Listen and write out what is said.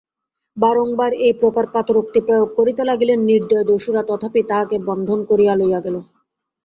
বারংবার এইপ্রকার কাতরোক্তি প্রয়োগ করিতে লাগিলেন নির্দয় দস্যুরা তথাপি তাঁহাকে বন্ধন করিয়া লইয়া গেল।